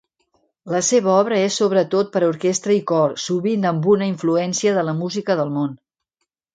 La seva obra és sobretot per a orquestra i cor, sovint amb una influència de la música del món.